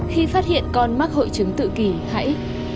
khi phát hiện con mắc hội chứng tự kỷ hãy